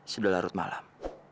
sudah larut malam